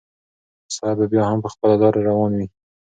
ساعت به بیا هم په خپله لاره روان وي.